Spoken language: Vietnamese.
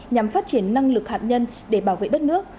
nhằm phát triển năng lực hạt nhân để bảo vệ đất nước